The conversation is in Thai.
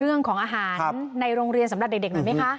เรื่องของอาหารในโรงเรียนสำหรับเด็กหน่อยไหมคะ